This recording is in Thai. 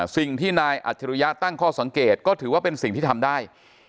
สิ่งที่นายอัจฉริยะตั้งข้อสังเกตก็ถือว่าเป็นสิ่งที่ทำได้